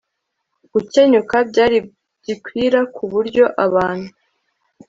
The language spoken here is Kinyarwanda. gukenyuka byari gikwira ku buryo abantu